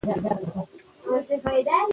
ټیمي کار د بریا لاره ده.